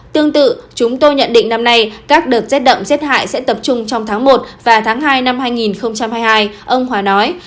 tương tự chúng tôi nhận định năm nay các đợt rét đậm rét hại sẽ tập trung trong tháng một và tháng hai năm hai nghìn hai mươi hai ông hòa nói